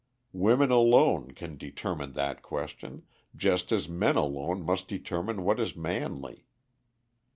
Women alone can determine that question, just as men alone must determine what is manly.